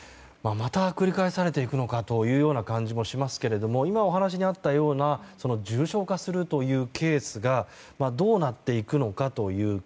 また繰り返されていくのかという感じもしますが今、お話にあったような重症化するというケースがどうなっていくのかという。